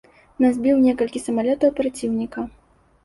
На збіў некалькі самалётаў праціўніка.